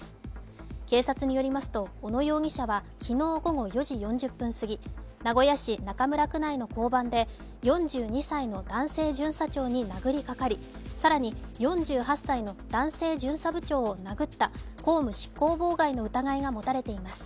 警察によりますと、小野容疑者は昨日午後４時４０分すぎ、名古屋市中村区内の交番で４２歳の男性巡査長に殴りかかり更に４８歳の男性巡査部長を殴った公務執行妨害の疑いが持たれています。